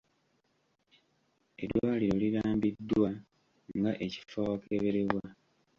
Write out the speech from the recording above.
Eddwaliro lirambiddwa nga ekifo awakebererwa.